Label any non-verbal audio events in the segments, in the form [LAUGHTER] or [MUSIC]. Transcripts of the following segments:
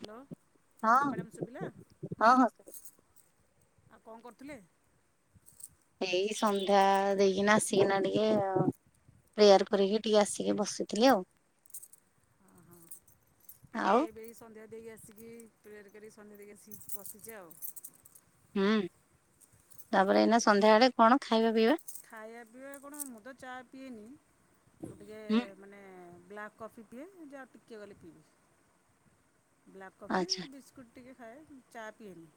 Hello ହଁ madam ସୁଭିଲା ହଁ ହଁ ଆଉ କଣ କରଥିଲେ? ଏଇ ସନ୍ଧ୍ୟା ଦେଇକିନା ଆସିକିନା ଟିକେ ଅ ପ୍ରେୟାର କରିକି ଟିକେ ଆସିକି ବସିଥିଲି ଆଉ। ଓ ହୋ। ମୁଁ ଆଉ ବି ଏବେ ଏଇ ସନ୍ଧ୍ୟା ଦେଇକି ଆସିକି ପ୍ରେୟାର କରିକି ସନ୍ଧ୍ୟା ଦେଇକି ଆସି ବସିଚି ଆଉ। ହୁଁ ତାପରେ ଏଇନା ସନ୍ଧ୍ୟାବେଳେ କଣ ଖାଇବା ପିଇବା? ଖାଇବା ପିଇବା କଣ ମୁଁ ତ ଚା ପିଏନି। ମୁଁ ଟିକେ ହୁଁ ମାନେ ବ୍ଲାକ୍ କଫି ପିଏ। ଯେ ଆଉ ଟିକିଏ ଗଲେ ପିଇବି। ବ୍ଲାକ୍ କଫି ଆଚ୍ଛା ବିସ୍କୁଟ୍ ଟିକେ ଖାଏ ଚା ପିଇଏନି।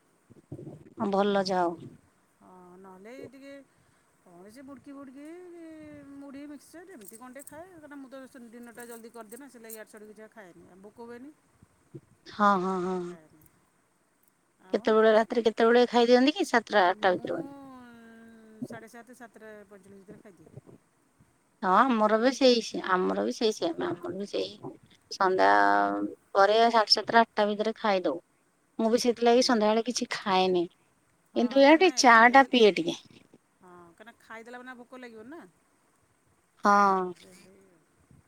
ଆ ଭଲ ଯାଆ ହଉ। ହଁ ନହେଲେ ଏଇ ଟିକେ କଣ ସେ ବୁଡ଼କି ବୁଡ଼କି ମୁଢି ମିକସଚର୍ ଯେମିତି କଣଟେ ଖାଏ କାଇଁକନା ମୁଁ ସେ ଦିନଟା ଜଲଦି କରିଦିଏ ନା ସେଲାଗି ଆଡୁ ସ୍ୟାଡୁ କିଛି ଆଉ ଖାଏନି ଭୋକ ହୁଏନି। ହଁ ହଁ ହଁ ହଁ। ଖାଏନି। ଆଉ କେତବେଳେ ରାତିରେ କେତବେଳେ ଖାଇ ଦିଅନ୍ତି? କି ସାତଟା ଆଠଟା ମୁଁ ଭିତରେ ବୋଧେ। ସାଢ଼େ ସାତେ ସାତଟା ପର୍ଯ୍ୟନ୍ତ। ହଁ ଆମର ବି ଫୁଟି ସେଇ ସେ ଆମର ବି ସେଇ ସେମ୍ ଆମର ବି ସେଇ ସନ୍ଧ୍ୟା ହଁ ପରେ ସାଢେ ସାତଟା ଆଠଟା ଭିତରେ ଖାଇଦଉ। ମୁଁ ବି ହଁ ସେଥିଲାଗି ସନ୍ଧ୍ୟାବେଳେ କିଛି ଖାଏନି ହଁ କିନ୍ତୁ ଏଇଆ ଟିକେ କାହିଁକିନା ଚା ଟା ଖାଇଦେଲେ ପିଏ ଟିକେ। ହଁ କାହିଁକିନା ଖାଇଦେଲା ମାନେ ଭୋକ ଲାଗିବନିନା ହଁ ଆଉ ସେଇଥିଲାଗି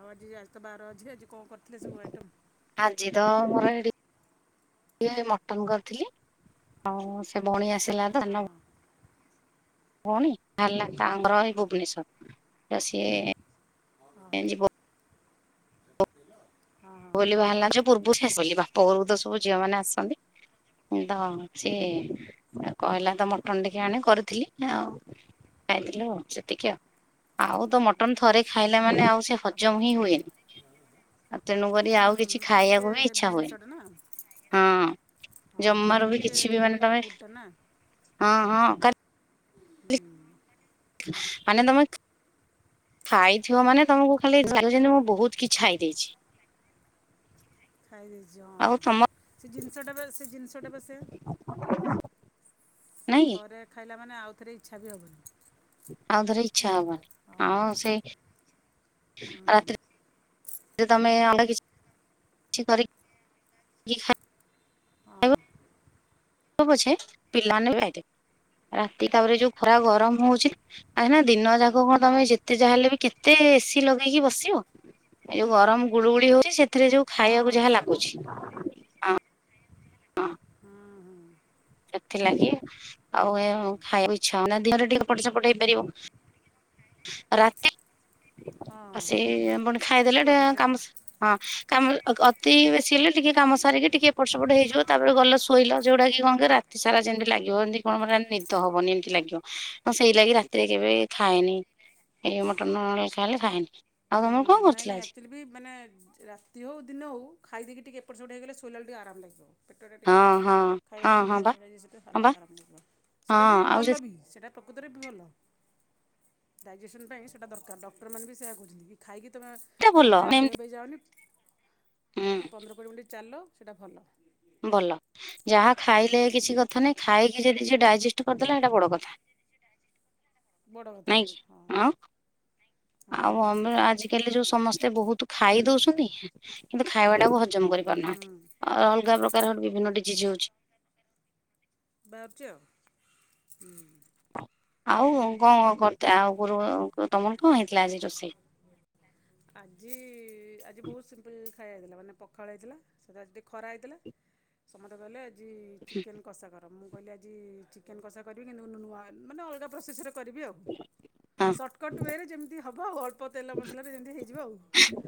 ଆଉ ଆଜି ଆଜିତ ବାର ଅଛି ଆଜି କଅଁ କରିଥିଲେ ସବୁ ଆଇଟମ୍? ଆଜି ତ ମୋର ଏଇଠି ଇଏ ମଟନ୍ କରିଥିଲି। ଆଉ ସେ ବଉଣୀ ଆସିଲାତ ହଁ ସାନ ହଁ ଭଉଣୀ ବାହାରିଲା ହୁଁ ତାଙ୍କର ଏଇ ଭୁବନେଶ୍ଵର ତ ସିଏ ହଁ ହଁ ଏ ହଁ ଯିବ। [INAUDIBLE] ଭୋଲି ବାହାରିଲା ଯୋଉ ପୂର୍ବୁ ସେ ଆସଲି ବାପଘରୁକୁତ ସବୁ ଝିଅ ମାନେ ଆସନ୍ତି ଉଁ ତ ସିଏ ଆଉ ହଁ କହିଲା ତ ହଁ ମଟନ ଟିକେ ଆଣେ କରିଥିଲି ଆଉ ଖାଇଥିଲୁ ଆଉ ସେତିକି ଆଉ। ଆଉ ତ ମଟନ୍ ଥରେ ଖାଇଲା ମାନେ ଆଉ ସେ ଆପଣ ହଜମ ହିଁ ହୁଏନି। ଆଉ ତେଣୁକରି ହୁଁ ଆଉ କିଛି ସେ ଟିକେ ଖାଇବାକୁ ବି ହେଭି ଇଚ୍ଛା ହୁଏନି, ଜିନିଷଟା ନା ହଁ ହଁ। ସେଟା ଜମାରୁବି ଟିକେ କିଛିବି ମାନେ ହେଭି ତମେ, ଫୁଡ଼୍ଟା ନା ହଁ ହଁ। କାର ହୁଁ ମାନେ ତମେ ଖାଇଥିବ ମାନେ ତମୁକୁ ଖାଲି ଜାଣିବ ଯେମିତି ମୁଁ ବହୁତ୍ କିଛି ଖାଇ ଦେଇଚି। ଖାଇ ଦେଇଚି ହଁ। ଆଉ ତମ ସେ ଜିନିଷଟା ବା ସେ ଜିନିଷଟା ବା ସେଆ। ସେ ନାଇଁ ଥରେ ଖାଇଲା ମାନେ ଆଉଥରେ ଇଚ୍ଛା ବି ହବନି। ଆଉ ଥରେ ଇଚ୍ଛା ହବନି। ହଁ ସେଇ ହୁଁ ରାତ ତି ରେ ତମେ ଅଣ୍ଡା କିଛି କିଛି କରିକ୍ କି ଖା ହଁ। ପ ପଛେ ପିଲାମାନେ ଖାଇ ଦେବେ। ରାତି ତାପରେ ଯୋଉ ଖରା ଗରମ ହଉଚି ଆଇନା ଦିନ ଯାକ ହଁ ପୁଣି ତମେ ଯେତେ ଯାହା ହେଲେବି କେତେ ଏସିି ଲଗେଇକି ବସିବ। ଏ ଯୋଉ ଗରମ ଗୁଳୁଗୁଳି ହଉଚି, ସେଥିରେ ଯୋଉ ହଁ ଖାଇବାକୁ ଯାହା ସେ ତ ଲାଗୁଚି। ହଁ। ହୁଁ। ହୁଁ ସେଥିଲାଗି ଆଉ ଏ ଏବଂ ମୁଁ ଖାଇବାକୁ ଇଚ୍ଛା ହଉନି। ଆଉ ଦିନରେ ଟିକେ ଏପଟ ସେପଟ ହେଇପାରିବ। ରାତି ହଁ ସେ ଆପଣ ଯିବ ଖାଇଦେଲେ ଟିକେ କୁଆଡ଼େ ସେୟା କାମ ସା ହଁ କାମ ଅ, ଅତି ବେଶୀ ହେଲେ ଟିକେ କାମ ସାରିକି ଟିକେ ଏପଟ ସେପଟ ହେଇଯିବ ତାପରେ ଗଲ ହୋଇଲ ଯୋଉଡାକି କଣ କି ରାତି ସାରା ଯେମିତି ଲାଗିବ ଯେମିତି କଣ ମୋତେ ଏମିତି ନିଦ ହବନି ଏମିତି ଲାଗିବ। ମୁଁ ସେଇଲାଗି ରାତିରେ କେବେ ଖାଏନି ଏ ମଟନ୍ ଉଡା ଖାଇଲେ ଖାଏନି। ଆଉ ତୋମେ କଣ କ ନାଇ ନାଇ ଆକ୍ଚୁଲି ବି ମାନେ ରାତି ହଉ ଦିନ ହଉ ଖାଇଦେଇକି ଟିକେ ଏପଟ ସେପଟ ହେଇଗଲେ ଶୋଇଲା ବେଳୁକୁ ଟିକେ ଆରାମ ଲାଗିବ। ପେଟଟା ଟିକେ ହଁ ହଁ ହଁ ଖାଇବାଟା ହଁ ଟିକେ ବା [UNINTELLIGIBLE] ହଁ ହାଲା ବା ଆରାମ ଲାଗିବ। ସେଟା ହଁ ବି ଆଉ ଭଲ ବି ସେଟା ପ୍ରକୃତରେ ବି ଭଲ। ଡାଇଜେସନ୍ ପାଇଁ ସେଟା ଦରକାର, ଡକ୍ଟର୍ ମାନେ ବି ସେୟା କହୁଛନ୍ତି, କି ଖାଇକି ତୁମେ ଭଲ ସାଙ୍ଗେ ସାଙ୍ଗେ ଶୋଇବା ଏମତି ପାଇଁ ଯାଅନି, ହୁଁ ପନ୍ଦର କୋଡ଼ିଏ ମିନିଟ୍ ଚାଲ ସେଟା ଭଲ। ଭଲ ଯାହା ଆଉ ଖାଇଲେ କିଛି କଥା ନାହିଁ, ଖାଇକି ଯଦି ଯିଏ ଡାଇଜେଷ୍ଟ କରିଦେଲା ସେଟା ବଡ କଥା। ବଡ଼ କଥା ନାଇଁ କି? ହଁ ଅଁ, ଆଉ ହଁ ବନ୍ଦ ଆଜି କାଲି ଯୋଉ ସମସ୍ତେ ବହୁତୁ ଖାଇ ଦଉଛନ୍ତି କିନ୍ତୁ ଖାଇବାଟାକୁ ହଜମ କରିପାରୁନାହାନ୍ତି। ହୁଁ ଆ, ଅଲଗା ପ୍ରକାର ସେଠୁ ବିଭିନ୍ନ ଡିଜିଜ୍ ହଉଛି। ବାହାରୁଚି ଆଉ ହୁଁ,। ଆଉ କଣ କଣ ଖଟା ଆଗୁରୁ, ତୋମର କଣ ହେଇଥିଲା ଆଜି ରୋଷେଇ? ଆଜି ଆଜି ବହୁତ ସିମ୍ପୁଲ୍ ଖାଇବା ହେଇଥିଲା, ମାନେ ପଖାଳ ହେଇଥିଲା, ତୋତେ ଆଜି ଟିକେ ଖରା ହେଇଥିଲା। ସମସ୍ତେ କହିଲେ ଜି ଚିକେନ୍ କଷା କର, ମୁଁ କହିଲି ଆଜି ଚିକେନ୍ କଷା କରିବି କିନ୍ତୁ ନୂ-ନୂଆ ମାନେ ଅଲଗା ପ୍ରୋସେସ୍ ରେ କରିବି ଆଉ ହଁ ସଟ୍ କଟ୍ ୱେରେ ଯେମିତି ହବ ଅଳ୍ପ ତେଲ ମସଲା ରେ ଯେମିତି ହେଇଯିବ ଆଉ,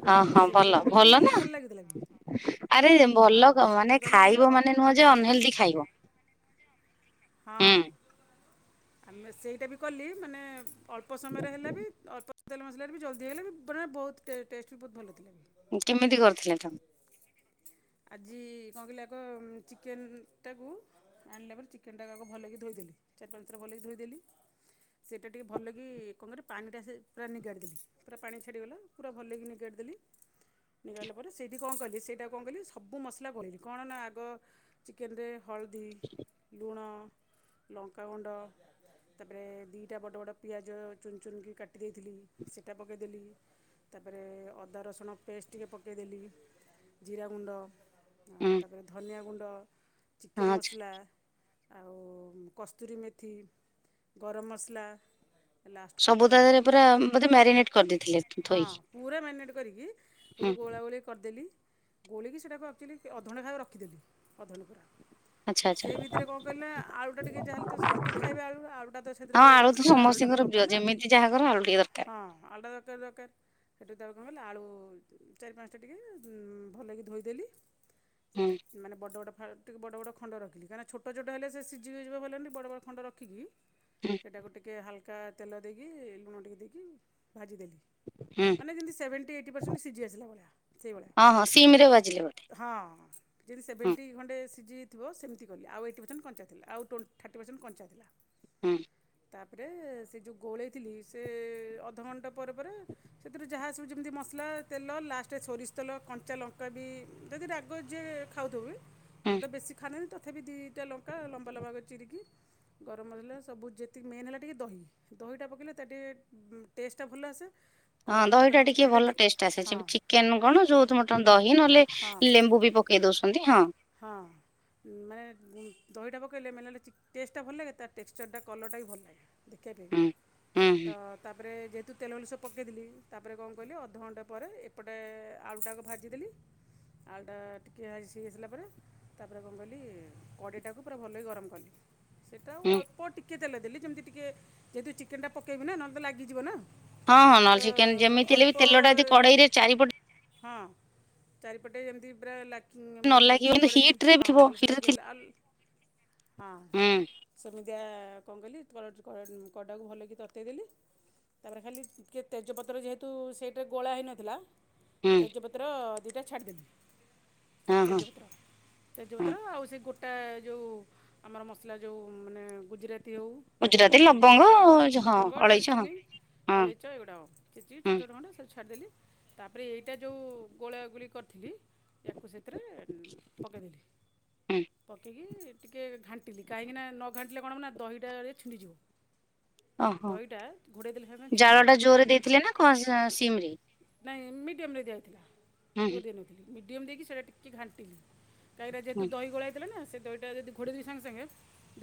ହଁ ହଁ ଭଲ ସେମିତିଆ ରେ କଲି କିନ୍ତୁ ନା ବହୁତ ଭଲ ଲାଗିଥିଲା ବି। ଆରେ ହଁ ଭଲ କହ, ସେମିତି ମାନେ କଲି ବି ଅ ଖାଇବ ହଁ। ମାନେ ନୁହଁ ଯେ ଅନହେଲଦି ଖାଇବ। ହଁ। ହୁଁ ଆମେ ସେଇଟା ବି କଲି ମାନେ ଅଳ୍ପ ସମୟରେ ହେଲା ବି, ଅଳ୍ପ ତେଲ ମସଲାରେ ବି ଜଲଦି ହେଇଗଲା ବି ବନେ ବହୁତ ଟେ-ଟେଷ୍ଟ ବି ବହୁତ ଭଲ ଥିଲା ବି। ଉଁ, କେମିତି କରିଥିଲେ ତୋମେ? ଆଜି କଣ କହିଲେ ଆଗ ଉଁ, ଚିକେନ୍ ଟା କୁ ଆଣିଲା ପରେ ଚିକେନ୍ ଟା ଆଗ ଭଲକି ଧୋଇଦେଲି ଚାରି ପାଞ୍ଚ ଥର ଭଲକି ଧୋଇଦେଲି। ସେଟା ଟିକେ ଭଲକି କଣ କରିବ ପାଣିଟା ସେ ପୁରା ନିଗାଡି ଦେଲି, ପୁରା ପାଣି ଛାଡିଗଲା। ପୁରା ଭଲିକି ନିଗାଡ଼ି ଦେଲି, ନିଗାଡ଼ିଲା ପରେ ସେ [UNINTELLIGIBLE] କଣ କଲି ସେଇଟାକୁ କଣ କଲି ସବୁ ମସଲା ଗୋଳେଇଲି କଣ ନା ଆଗ ଚିକେନ୍ ରେ ହଳଦୀ, ଲୁଣ, ଲଙ୍କାଗୁଣ୍ଡ ତାପରେ ଦିଇଟା ବଡ଼ ବଡ଼ ପିଆଜ ଚୁନ ଚୁନିକି କାଟି ଦେଇଥିଲି ସେଟା ପକେଇଦେଲି। ତାପରେ ଅଦା ରସୁଣ ପେଷ୍ଟ ଟିକେ ପକେଇଦେଲି। ଜିରା ଗୁଣ୍ଡ ଆ, ହୁଁ ତାପରେ ଧନିଆ ଗୁଣ୍ଡ, ହଁ ଚିକେନ୍ ଆଚ୍ଛା ମସଲା ଆଉ କସ୍ତୁରୀ ମେଥି, ଗରମ ମସଲା ହେ ଲାଷ୍ଟକୁ ସବୁ ତା ଦହି ଦେହରେ ପୁରା ବୋଧେ ମ୍ୟାରିନେଟ କରିଦେଇଥିଲେ ହଁ ଥୋଇକି। ପୁରା ମେଗନେଟ୍ କରିକି ହୁଁ ସବୁ ଗୋଳାଗୋଳି କ କରିଦେଲି ଗୋଳିକି ସେଟାକୁ ଆକ୍ଚୁଲି ଅଧଘଣ୍ଟେ ଖାଳ ରଖିଦେଲି। ଅଧଘଣ୍ଟେ ପୁରା। ଆଚ୍ଛା ଆଚ୍ଛା ସେଇ ଭିତରେ କଣ କହିଲେ ଆଳୁ ଟା ଟିକେ ଯାହାହେଲେ ତ ସମତେ ଖାଇବେ ଆଳୁ, ଆଳୁ ଟା ତ ସେଥିରେ ଗୋଳେଇଲେ ଆଉ ସେଟା ଆଳୁ ଟା ତ ହବ ଯୁଅ ଯେମିତି ଯାହା କର ଆଳୁ ଟିକେ ଦରକା ହଁ ଆଳୁ ଟା ଦରକାର ଦରକାର। ସେଠୁ ତାକୁ କଣ କଲେ ଆଳୁ ଚାରି ପାନ୍ସା ଟିକେ ଉଁ, ଭଲକି ଧୋଇଦେଲି। ହୁଁ ସେଉ ମାନେ ବଡ଼ ବଡ଼ ଫା- ଟିକେ ବଡ଼ ବଡ଼ ଖଣ୍ଡ ରଖିଲି, କାହିଁକି ନା ଛୋଟଛୋଟ ହେଲେ ସେ ସିଜିଯିବ ଭଲନି, ବଡ଼ ବଡ଼ ଖଣ୍ଡ ରଖିକି ହୁଁ। ସେଟାକୁ ଟିକିଏ ହାଲକା ତେଲ ଦେଇକି ଲୁଣ ଟିକେ ଦେଇକି ଭାଜିଦେଲି। ହୁଁ ମାନେ ଯେମିତି ସେଭେଣ୍ଟି ଏଇଟି ପସେଣ୍ଟ୍ ସିଯି ଆସିଲା ଭଳିଆ। ସେଇଭଳିଆ। ହଁ ହଁ ସିମ୍ ରେ ବାଜିଲେ ଗୋଟେ। ହଁ। ଯେମିତି ସେଭେଣ୍ଟି ଖଣ୍ଡେ ସିଝିଥିବ ସେମତି କଲି ଆଉ ଏଇଟି ପରସେଣ୍ଟ କଞ୍ଚା ଥିଲା ଆଉ ଟୋ ଥାର୍ଟି ପରସେଣ୍ଟ କଞ୍ଚା ଥିଲା। ଲା। ହୁଁ। ତାପରେ ସେ ଯୋଉ ଗୋଳେଇଥିଲି ସେ ଅଧଘଣ୍ଟା ପରେ ପରେ ସେଥି୍ରୁ ଯାହା ସବୁ ଯେମିତି ମସଲା ତେଲ ଲା ସେ ସୋରିଷ ତେଲ କଞ୍ଚା ଲଙ୍କା ବି ଯଦି ରାଗ ଯିଏ ଖାଉଥିବବି। ହୁଁ। ଆମେ ତ ବେଶୀ ଖାଆନ୍ତି ନି ତଥାବି ଦିଇଟା ଲଙ୍କା ଲମ୍ବା ଲମ୍ବା କରି ଚିରିକି ଗରମ ମସଲା ସବୁ ଯେତିକି ମେନ୍ ହେଲା ଟିକେ ଦହି। ଦହିଟା ପକେଇଲେ ତା ଟିକେ ବୁ ଟେଷ୍ଟଟା ଭଲ ଆସେ। କ ହଁ ଦହିଟା ମାନେ ଟିକେ ଚିକେନଟା ଭଲ ଦେଖି ଟେଷ୍ଟ ଆସେ ହଁ ଯେବେ ଚି କେନୁ କଣ ଯୋଉ [UNINTELLIGIBLE] ଦହି ନହେଲେ ହଁ ଲେମ୍ବୁ ବି ପକେଇ ଦଉଛନ୍ତି ହଁ। ହଁ। ମାନେ ଦହିଟା ପକେଇଲେ ମାନେ ଚିକ୍ ଟେଷ୍ଟଟା ଭଲ ଲାଗେ ତା ଟେକ୍ସଚରଟା କଲରଟା ବି ଭଲ ଲାଗେ। ଦେଖେଇପେବି ହୁଁ ହୁଁ ହୁଁ ତ ତାପରେ ଯେ ତୁ ତେଲ ତୁଲି ସବୁ ପକେଇ ଦେଲି ତାପରେ କଣ କଲି ଅଧଘଣ୍ଟେ ପରେ ଏପଟେ ଆଳୁ ଟା ଆଗେ ଭାଜି ଦେଲି ଆଳୁଟା ଟିକେ ସିଜେଇ ସାରିଲା ପରେ ତା ପରେ କଣ କଲି କଡ଼େଇ ଟାକୁ ପୁରା ଭଲକି ଗରମ କଲି। ସେଇଟା ଆଉ ହୁଁ ଅଳ୍ପ ଟିକେ ତେଲ ଦେଲି ଯେମିତି ଟିକେ ଯେହେତୁ ଚିକେନଟା ପକେଇବି ନା ନହେଲେ ତ ଲାଗିଯିବ ନା? ହଁ ହଁ ନ ତ ଚିକେନ ଯେମିତି ହେଲେ ବି ତେଲଟା ଜଦି ଅଳ୍ପ କଡେଇରେ ଚାରିପଟ ହଁ ଚାରିପଟେ ଯେମିତି ପୁରା ଲା ଉଁ ଉଁ ନ ଲାଗିବ କିନ୍ତୁ ସବୁଆଡ଼େ ଯେନ୍ ହିଟ ରେ ବି ହଁ ଥିବ ଭଲସେ ହିଟ ରେ ଥିଲେ ଲାଗିଗଲେ ଆଲ ହଁ। ହୁଁ ସେମିଦିଆ କଣ କଲି [UNINTELLIGIBLE] କଡ଼ାକୁ ଭଲ କିି ତତେଇ ଦେଲି। ତାପରେ ଖାଲି ଟିକେ ତେଜପତ୍ର ଯେହେତୁ ସେଇଟାରେ ଗୋଳା ହେଇନଥିଲା ହୁଁ ତେଜପତ୍ର ଦିଟା ଛାଡି ଦେଲି ହଁ ହଁ ତେଜପତ୍ର। ହଁ ତେଜପତ୍ର ଆଉ ସେ ଗୋଟା ଯୋଉ ଆମର ମସଲା ଯୋଉ ମାନେ ଗୁଜୁରାତି ହଉ। ଆଉ ଗୁଜୁରାତି ଲବଙ୍ଗ ଡ଼ା ହଁ ଲବଙ୍ଗ ଡାଲ୍ ଅଳେଇଚ ହଁ ଚିନି ହଁ ଅଳେଇଚ ଏଗୁଡ଼ାକ ଛେଚୀକି ଛୋଟ ହୁଁ ଛଟ ଖଣ୍ଡ ସବୁ ଛାଡ଼ିଦେଲି। ତାପରେ ଏଇଟା ଯୋଉ ଗୋଳା ଗୁଳି କରିଥିଲି ୟାକୁ ସେଥିରେ ପକେଇଦେଲି ହୁଁ ପକେଇକି ଟିକେ ଘାଣ୍ଟିଲି କାହିଁକି ନା ନ ଘଣ୍ଟିଲେ କଣ ହବ ନା ଦହିଟା ଏ ଛିଣ୍ଡିଯିବ। ଓହୋ ଦହିଟା ଘୋଡେଇ ଦେଲେ ସେଇ ପାଇଁ ଛିଣ୍ଡି ଜାଳ ଟା ଯିବ। ଜୋରରେ ଦେଇଥିଲେ ନା? ହଁ ସା ସିମ୍ ରେ। ନାଇଁ ମିଡ଼ିୟମରେ ଦିଆ ହେଇଥିଲା ହୁଁ ଜୋରେ ହୁଁ ଦେଇ ନଥିଲି ମିଡ଼ିୟମ ଦେଇକି ସେଇଟା ଟିକିଏ ଘାଣ୍ଟିଲି। କାଈରା ଯେହେତୁ ହୁଁ ଦଇ ଗୋଳା ହେଇଥିଲା ନା ସେ ଦହିଟା ଯଦି ଘୋଡେଇଦେବି ସାଙ୍ଗେ ସାଙ୍ଗେ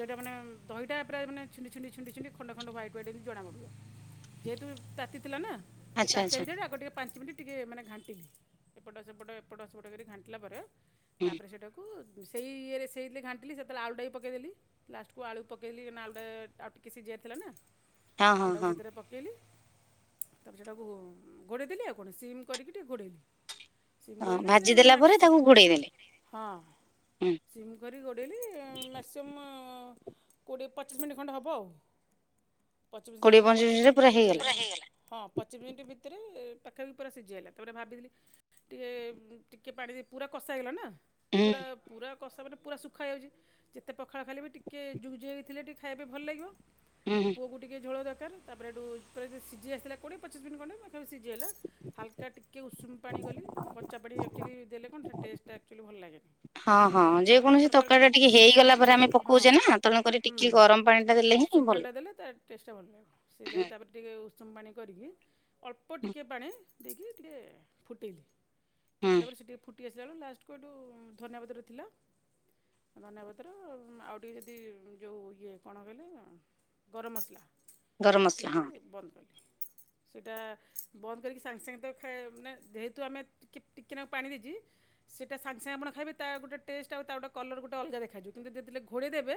ଦହିଟା ମାନେ ଦହିଟା ପୁରା ମାନେ ଛିଣ୍ଡି ଛିଣ୍ଡି ଛିଣ୍ଡି ଛିଣ୍ଡି ଖଣ୍ଡ ଖଣ୍ଡ ହ୍ୱାଇଟ୍ ହ୍ୱାଇଟ ହେଇକି ଜଣା ପଡିବ। ଯେହେତୁ ତାତି ଥିଲା ନା ସେ ଆଚ୍ଛା ତାତି ଆଚ୍ଛା ଭିତରେ ଆଗ ଟିକେ ପାଞ୍ଚ ମିନିଟ୍ ଟିକେ ମାନେ ଘାଣ୍ଟିଲି ଏପଟ ସେପଟ ଏପଟ ସେପଟ କରି ଘାଣ୍ଟିଲା ପରେ ହୁଁ ତାପରେ ସେଇଟାକୁ କୁ ସେଇ ଇଏରେ ସେଇଥିରେ ଘାଣ୍ଟିଲି ସେତେବେଳେ ଆଳୁ ଟା ବି ପକେଇ ଦେଲି। ଲାଷ୍ଟକୁ ଆଳୁ ପକେଇଲି ନା ଆଳୁ ଟା ଆଉ ଟିକେ ସିଝି ଆରଥିଲା ନା। ହଁ ଆଳୁ ଟା କୁ ହଁ ସେଇଥିରେ ପକେଇଲି ତାପରେ ସେଟାକୁ ଘୋଡେଇ ଦେଲି ଆଉ କଣ ସିମ୍ କରିକି ଟିକେ ଘୋଡ଼େଇଲି। ସିମ୍ ହଁ କରିକି ସେ ଭାଜି ଦେଲା ପରେ ମାକ୍ସି ତାକୁ ଘୋଡେଇ ଦେଲେ ହଁ। ହୁଁ ସିମ୍ କରି ଗୋଡ଼େଇଲି ଉଁ ମ୍ୟାକ୍ସିଅମ୍ କୋଡ଼ିଏ ପଚିଶ ମିନିଟ୍ ଖଣ୍ଡେ ହବ। ପଚି ପଚିଶ ମିନିଟ୍ ପୁରା ହେଇଗଲା ହଁ ପଚିଶ ମିନିଟ ଭିତରେ ପାଖାପାଖି ପୁରା ସିଝି ଅଲା ତାପରେ ଭାବିଲି ଟିକେ ଟିକେ ପାଣି ଦେ ପୁରା କଷା ହେଇଗଲା ନା। ହୁଁ ପୁରା ପୁରା କଷା ମାନେ ପୁରା ଶୁଖା ହେଇଯାଉଚି। ଯେତେ ପଖାଳ ଖାଇଲେ ବି ଟିକେ ଜୁଗ ଜୁଗିଆ ଥିଲେ ଟିକେ ଖାଇବା ବି ଭଲ ଲାଗିବ। ହୁଁ ପୁଅକୁ ଟିକେ ଝୋଳ ଦରକାର ତାପରେ ହେଠୁ ସିଯି ଆସିଲା କୋଡିଏ ପଚିଶ ମିନିଟ ଖଣ୍ଡେ ପାଖା ପାଖି ସିଝି ଆଇଲା। ହାଲକା ଟିକେ ଉଷୁମ ପାଣି କଲି କଞ୍ଚା ପାଡ଼ି ଆକଚୁଆଲି ଦେଲେ କଣ ସେ ଟେଷ୍ଟଟା ଆକ୍ଚୁଆଲି ଭଲ ଲାଗେନି। ହଁ ହଁ ଯେକୌଣସି ତରକାରୀ କଲେ ଟା ଟିକେ ହେଇଗଲା ଲେ ପରେ ଆମେ ହଁ ପକଉଛେ ନା ତେଣୁକରି ହୁଁ। ଟିକେ ଗରମ ପାଣି ଟା ଦେଲେ ହିଁ ଉସୁୁମ୍ ଭଲ। ପାଣିଟା ଦେଲେ ତା ଟେଷ୍ଟ ଟା ଭଲ ଲଗିବ, ସେଇ ହୁଁ ଲାଗି ତା ଟିକେ ଉଷୁମ ପାଣି କରିକି ଅଳ୍ପ ହୁଁ ଟିକେ ପାଣି ଦେଇକି ଟିକେ ଫୁଟେଇଲି। ହୁଁ ଫୁଟିଲା ପରେ ସେ ଟିକେ ଫୁଟି ଆସିଲା ବେଳକୁ ଲାଷ୍ଟକୁ ଏଇଠୁ ଧନିଆ ପତ୍ର ଥିଲା। ଧନିଆ ପତ୍ର ଆଉ ଟିକେ ଯଦି ଯଉ ଇଏ କଣ କହିଲେ ଗରମ ମସଲା ଗରମ ମସଲା ହଁ ପକେଇକି ବନ୍ଦ କଲି ସେଇଟା ବନ୍ଦ କରିକି ସାଙ୍ଗେ ସାଙ୍ଗେ ତ ଖାଇ ମାନେ ଯେହେତୁ ଆମେ ଟି ଟିକେ ନାଙ୍କୁ ପାଣି ଦେଇଚି। ସେଇଟା ସାଙ୍ଗ ସାଙ୍ଗେ ଆପଣ ଖାଇବେ ତା ଗୋଟେ ଟେଷ୍ଟ ଆଉ ତା ଗୋଟେ କଲର୍ ଗୋଟେ ଅଲଗା ଦେଖାଯିବ କିନ୍ତୁ ଯେତେବେଳେ ଘୋଡେଇ ଦେବେ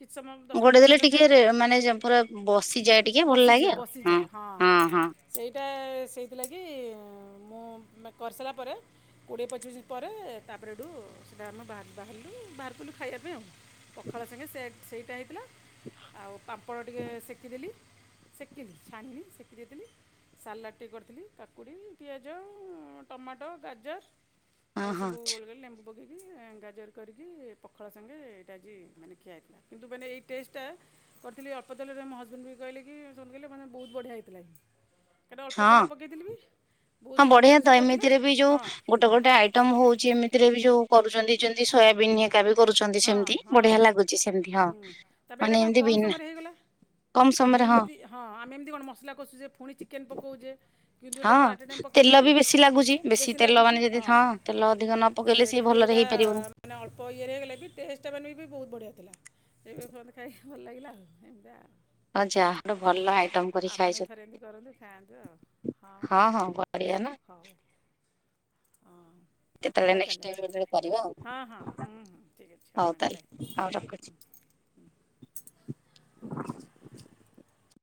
କିଛି ସମୟ ଦଶ ମିନିଟ୍ ଗୋଡେଇ ପନ୍ଦର ଦେଲେ ମିନଟେ ଟିକେ ଖାଇବେ ରେ ମାନେ ପୁରା ବସିଯାଏ ଟିକେ ଭଲ ଲାଗେ ବସିଯାଏ ଆଉ ବସିଯାଏ ହଁ। ହଁ ଏଇଟା ସେଇଥିଲାଗି ମୁଁ କରିସାଇଲା ପରେ କୋଡ଼ିଏ ପଚିଶ ପରେ ତାପରେ ହେଠୁ ସେଇଟା ଆମେ ବା ବାହାରିଲୁ ବାହାର କଲୁ ଖାଇବା ପାଇଁ ଆଉ। ପଖାଳ ସାଙ୍ଗେ ସେ ସେଇଟା ହେଇଥିଲା। [INAUDIBLE] ଆଉ ପାମ୍ପଡ଼ ଟିକେ ସେକିଦେଲି ସେକିଲି ଛାଣୀ ନି ସେକି ଦେଇଥିଲି। ସାଲାଡ଼ଟିଏ କରିଥିଲି କାକୁଡ଼ି ପିଆଜ ଟମାଟ ଗାଜର। ହଁ ଏରା ହଁ ସବୁ ଗୋଲ ଗଲି ଲେମ୍ବୁ ପକେଇକି ଗାଜର କରିକି ପଖାଳ ସାଙ୍ଗେ ଏଇଟା ଆଜି ମାନେ ଖିଆ ହେଇଥିଲା। କିନ୍ତୁ ମାନେ ଏଇ ଟେଷ୍ଟ ଟା କରିଥିଲି ଅଳ୍ପ ତେଲରେ ମୋ ହଜବେଣ୍ଡ ବି କହିଲି କି [UNINTELLIGIBLE] ମାନେ ବହୁ ବଢିଆ ହେଇଥିଲା। ତାର ଅଳ୍ପ ହଁ ତେଲ ପକେଇଥିଲି ବି। ବହୁତ ହଁ ସବୁ ବଢିଆ ଜିନିଷ ତ ପଡ଼ିଥିଲା ଏମିତିରେ ବି ଯୋଉ ହଁ ଗୋଟେ ଗୋଟେ ଆଇଟମ୍ ହଉଛି ଏମିତିରେ ବି ଯୋଉ କରୁଛନ୍ତି ଯେମିତି ସୋୟାବିନ୍ ହୈକା ବି କରୁଛନ୍ତି ହଁ ସେମିତି ହଁ ବଢିଆ ଲାଗୁଛି ସେମିତି ହଁ। ହୁଁ ତାପରେ ମାନେ ଏଇଟା କଣ ଏମିତି କମ୍ ବିନା ସମୟରେ ହେଇଗଲା। କମ ଆମେ ସମୟରେ ଏମିତି ହଁ ଆମେ ଏମିତି କଣ ମସଲା କଷୁଚେ ପୁଣି ଚିକେନ ପକଉଚେ କିନ୍ତୁ ଏଇଟେ ହଁ ଯୋଉ ପକେଇ ତେଲ ଦେଲି ବି ବେଶୀ ଲାଗୁଛି ବେଶୀ ତେଲ ଲାଗୁଚି ମାନେ ଯଦି ହଁ ତେଲ ଅଧିକ ନ ପକେଇଲେ ସେ ସିଏ କିନ୍ତୁ ଭଲରେ ଏଇଟା ହେଇପାରିବନି। ମାନେ ଅଳ୍ପ ଇଏରେ ହେଇଗଲେ ବି ଟେସଟା ମାନେ ବି ବହୁତ ବଢ଼ିଆଥିଲା। ସେଇ ପାଇଁ ସମତେ ଖାଇ ଭଲ ଲାଗିଲା ଏମିତି ଆଉ। ହଁ ଯାହା ଗୋଟେ ଭଲ ହେଲା ଆଇଟମ କରି ଆପଣ ଖାଇଛୁ ଏ ଥରେ ଏମିତି କରନ୍ତୁ ଖାଆନ୍ତୁ ଆଉ ହଁ ହଁ। ହଉ ହଁ। ହଉ କେତେବେଳେ ନେଷ୍ଟ ତାହେଲେ ଟାଇମ୍ କେତେବେଳେ କରିବା ଆଉ। ହଁ ହଁ ହୁଁ ହୁଁ ଠିକ୍ ଅଛି ହଉ ମାମ୍ ବାଏ। ତାହେଲେ ହଉ ରଖୁଛି।